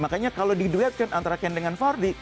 makanya kalau diduetkan antara ken dengan vardy